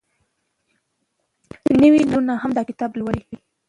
نوې نسلونه هم دا کتاب لولي.